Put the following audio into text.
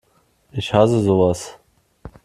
Ich hasse sowas!